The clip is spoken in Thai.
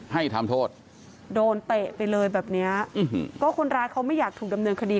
ให้ทำโทษโดนเตะไปเลยแบบเนี้ยอืมก็คนร้ายเขาไม่อยากถูกดำเนินคดี